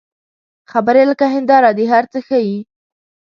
خبرې لکه هنداره دي، هر څه ښيي